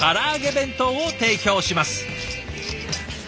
弁当を提供します。